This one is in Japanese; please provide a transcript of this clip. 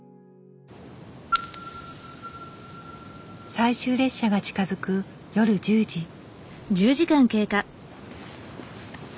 最終列車が近づく夜１０時。